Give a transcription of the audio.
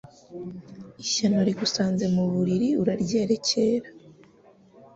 Ishyano rigusanze mu buriri uraryerekera